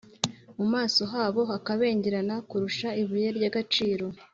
mu maso habo hakabengerana kurusha ibuye ry’agaciro.